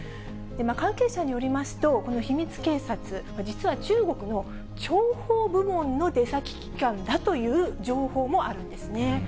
関係者によりますと、この秘密警察、実は中国の諜報部門の出先機関だという情報もあるんですね。